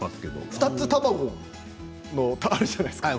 ２つ卵ってあるじゃないですか